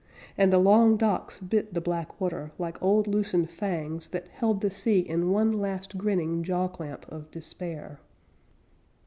And the long docks bit the black water Like old loosened fangs that held the sea In one last grinning jaw clamp of despair.